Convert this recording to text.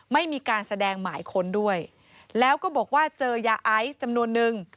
ไม่มีการแสดงหมายค้นด้วยแล้วก็บอกว่าเจอยาไอซ์จำนวนนึง